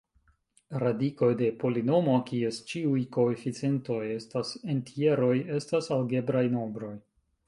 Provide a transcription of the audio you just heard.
Radikoj de polinomo, kies ĉiuj koeficientoj estas entjeroj, estas algebraj nombroj.